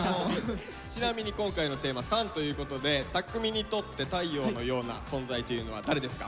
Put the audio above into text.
ちなみに今回のテーマ「ＳＵＮ」ということで拓実にとって太陽のような存在というのは誰ですか？